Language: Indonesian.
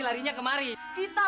bersono ya mbak